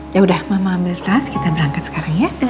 yaudah mama ambil stres kita berangkat sekarang ya